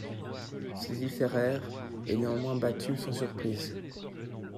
Sylvie Ferrer est néanmoins battue sans surprise.